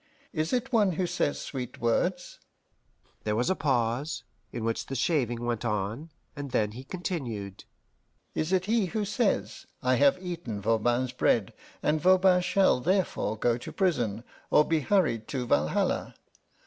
Is it one who says sweet words?" There was a pause, in which the shaving went on, and then he continued: "Is it he who says, I have eaten Voban's bread, and Voban shall therefore go to prison, or be hurried to Walhalla?